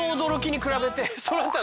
そらちゃん。